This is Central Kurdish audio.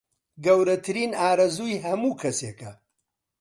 گەورەترین ئارەزووی هەموو کەسێکە